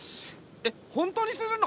えっ本当にするの？